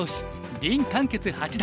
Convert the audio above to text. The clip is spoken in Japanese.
林漢傑八段。